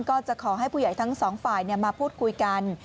ก็จะขอให้ผู้ใหญ่ทั้งสองฝ่ายมาพูดคุยกัน